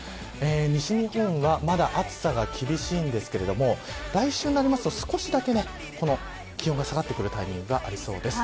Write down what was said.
西日本はまだ暑さが厳しいんですが来週になりますと少しだけ気温が下がってくるタイミングがありそうです。